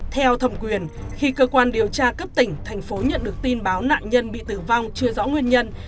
theo thẩm quyền khi cơ quan điều tra cấp tỉnh thành phố nhận được tin báo nạn nhân bị tử vong chưa rõ nguyên nhân